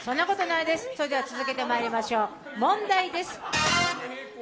それでは続けてまいりましょう、問題です。